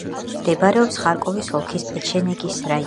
მდებარეობს ხარკოვის ოლქის პეჩენეგის რაიონში.